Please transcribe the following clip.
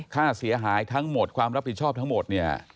ค่าเสียหายทั้งหมดความรับผิดชอบทั้งหมดเนี่ย